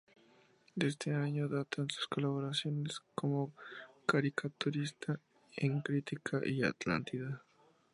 De este año datan sus colaboraciones, como caricaturista, en Crítica y Atlántida.